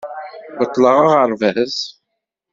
Beṭleɣ aɣerbaz.